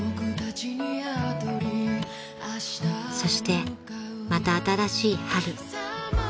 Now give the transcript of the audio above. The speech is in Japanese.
［そしてまた新しい春］